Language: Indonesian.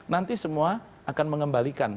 nanti semua akan mengembalikan